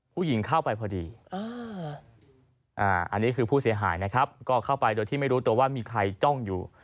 ผู้หญิงเข้าไปพอดีอันนี้คือผู้เสียหายนะครับก็เข้าไปโดยที่ไม่รู้ตัวว่ามีใครจ้องอยู่